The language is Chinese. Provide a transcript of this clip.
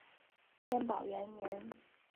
天宝元年。